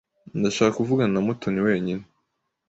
Ndashaka kuvugana na Mutoni wenyine.